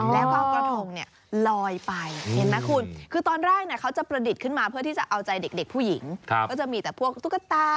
แล้วก็เอากระทงลอยไปเห็นไหมคุณ